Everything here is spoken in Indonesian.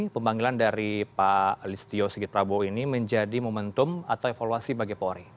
pemanggilan dari pak listio sigit prabowo ini menjadi momentum atau evaluasi bagi polri